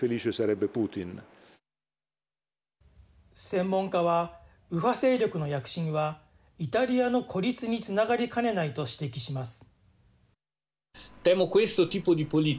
専門家は右派勢力の躍進はイタリアの孤立につながりかねないと指摘します。